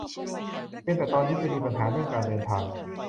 เพียงแต่ตอนนี้จะมีปัญหาเรื่องการเดินทาง